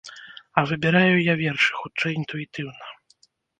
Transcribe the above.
А выбіраю я вершы, хутчэй, інтуітыўна.